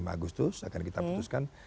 dua puluh lima agustus akan kita putuskan